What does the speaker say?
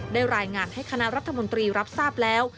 รายงานให้คณะรัฐมนตรีรับทราบแล้ว